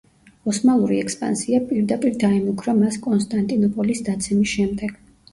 ოსმალური ექსპანსია პირდაპირ დაემუქრა მას კონსტანტინოპოლის დაცემის შემდეგ.